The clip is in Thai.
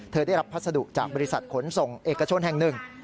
ได้รับพัสดุจากบริษัทขนส่งเอกชนแห่งหนึ่ง